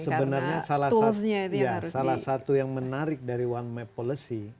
sebenarnya salah satu yang menarik dari one map policy